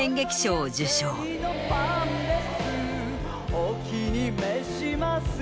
お気に召します